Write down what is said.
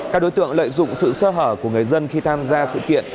các đối tượng lợi dụng sự sơ hở của người dân khi tham gia sự kiện